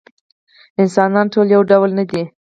انسانان ټول یو ډول نه دي.